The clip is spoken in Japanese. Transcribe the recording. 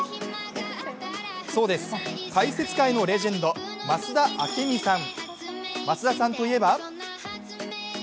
そうです、解説界のレジェンド増田明美さん。